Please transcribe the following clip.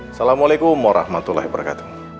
assalamualaikum warahmatullahi wabarakatuh